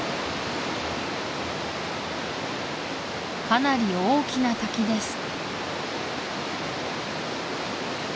かなり大きな滝です